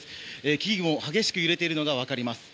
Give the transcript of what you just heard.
木々も激しく揺れているのが分かります。